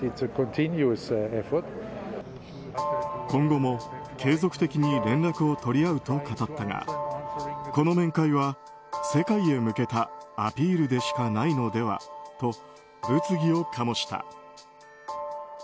今後も継続的に連絡を取り合うと語ったがこの面会は世界へ向けたアピールでしかないのではと物議を醸した。